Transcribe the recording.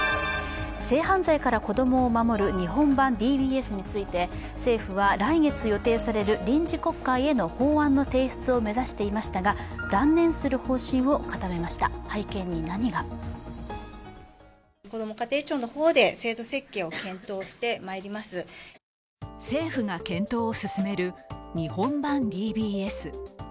性犯罪から子供を守る日本版ＤＢＳについて政府は来月予定される臨時国会への法案の提出を目指していましたが、断念する方針を固めました、背景に何が政府が検討を進める日本版ＤＢＳ。